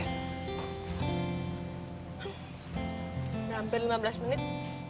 eh udah sampe lima belas menit